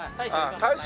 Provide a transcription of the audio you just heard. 大将！